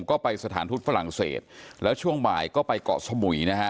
ก็ไปสถานทูตฝรั่งเศสแล้วช่วงบ่ายก็ไปเกาะสมุยนะฮะ